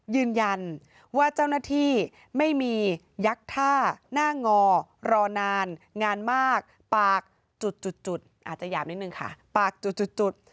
ยืนยันว่าเจ้าหน้าที่ไม่มียักษ์ท่าหน้างอรอนานงานมากปากจุด